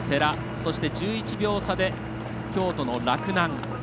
そして、１１秒差で京都の洛南。